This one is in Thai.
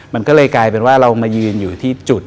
มันก็เลยกลายเป็นว่าเรามายืนอยู่ที่จุด